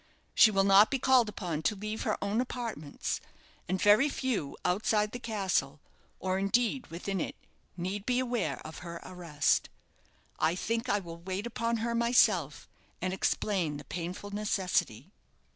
She will not be called upon to leave her own apartments; and very few outside the castle, or, indeed, within it, need be aware of her arrest. I think I will wait upon her myself, and explain the painful necessity."